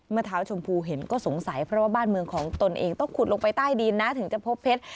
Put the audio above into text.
เมื่อเท้าชมพูเห็นก็สงสัยเพราะว่าบ้านเมืองของตนเองต้องขุดลงไปใต้ดินนะถึงจะพบเพชร